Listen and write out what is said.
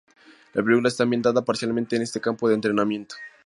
La película está ambientada parcialmente en este campo de entrenamiento.